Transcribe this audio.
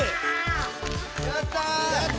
やった！